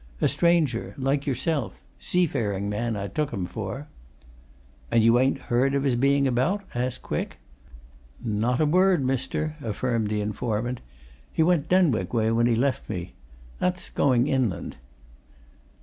A stranger like yourself. Seafaring man, I took him for." "And you ain't heard of his being about?" asked Quick. "Not a word, mister," affirmed the informant. "He went Denwick way when he left me. That's going inland."